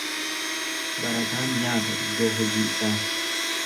Barataan nyaata iddoo hojii isaa.